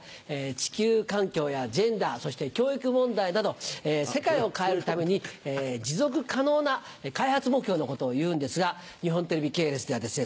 地球環境やジェンダーそして教育問題など世界を変えるために持続可能な開発目標のことをいうんですが日本テレビ系列ではですね